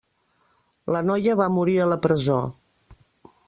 La noia va morir a la presó.